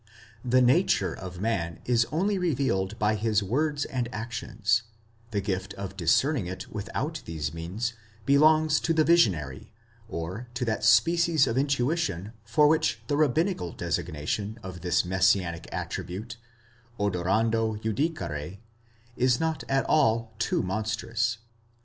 The nature of man is only revealed by his words and actions ; the gift of discerning it with out these means, belongs to the visionary, or to that species of intuition for which the rabbinical designation of this messianic attribute, odorando judi care,® is not at all too monstrous.